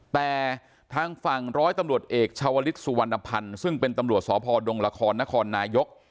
แต่ทางฝั่งร้อยตำรวจเอกชาวลิศสุวรรณภัณฑ์ซึ่งเป็นตำรวจสพดงละครนครนายก